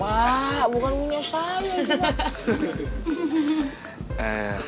pak bukan menyewa saya